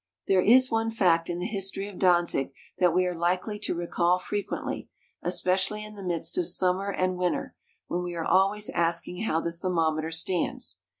There is one fact in the history of Danzig that we are likely to recall frequently, especially in the midst of summer and winter, when we are always asking how the thermometer stands.